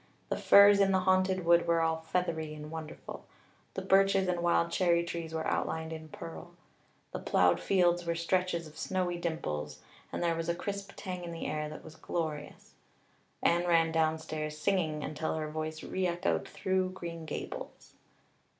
The firs in the Haunted Wood were all feathery and wonderful; the birches and wild cherry trees were outlined in pearl; the plowed fields were stretches of snowy dimples; and there was a crisp tang in the air that was glorious. Anne ran downstairs singing until her voice reechoed through Green Gables.